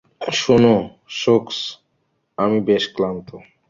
শোনো, সোকস, আমি বেশ ক্লান্ত।